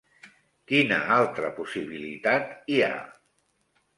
Quina altra possibilitat hi ha?